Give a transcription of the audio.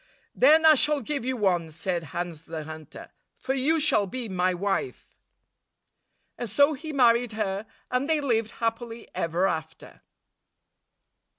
" Then I shall give you one," said Hans the Hunter, "for you shall be my wife." And so he married her, and they lived happily ever after.